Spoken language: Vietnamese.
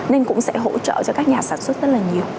nên cũng sẽ hỗ trợ cho các nhà sản xuất rất là nhiều